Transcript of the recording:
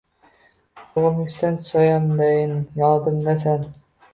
Tug’ilmishdan soyamdayin yonimdasan